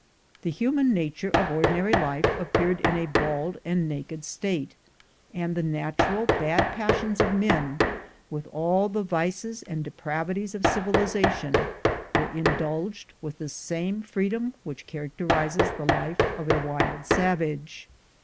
The human nature of ordinary life appeared in a bald and naked state, and the natural bad passions of men, with all the vices and depravities of civilization, were indulged with the same freedom which characterizes the life of a wild savage.